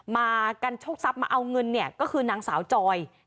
มากันโชคทรัพย์มาเอาเงินเนี่ยก็คือนางสาวจอย